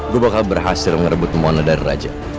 gue bakal berhasil merebut pembunuh dari raja